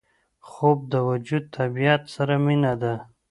خوب د وجود طبیعت سره مینه ده